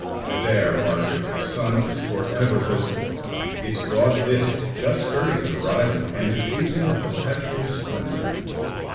There, Margaret, the sun is for ever visible, its broad disk just skirting the horizon and diffusing a perpetual splendour.